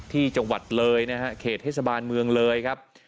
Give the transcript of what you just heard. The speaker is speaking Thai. ที่จังหวัดเลยนะฮะเขตเทศบาลเมืองเลยครับ